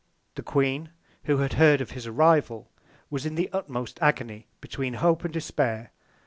The Queen, who had heard of his Arrival, was in the utmost Agony, between Hope and Despair.